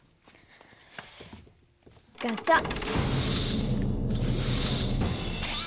ガチャッ。